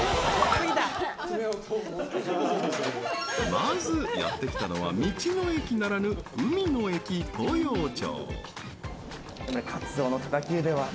まず、やってきたのは道の駅ならぬ海の駅・東洋町。